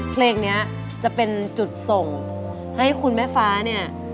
เพลงนี้จะเป็นจุดส่งให้คุณแม่ฟ้าเนี่ย